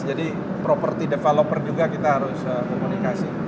jadi property developer juga kita harus komunikasi